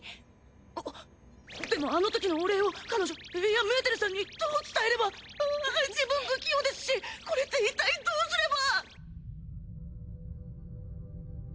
あでもあのときのお礼を彼女いやメーテルさんにどう伝えればああっ自分不器用ですしこれっていったいどうすれば。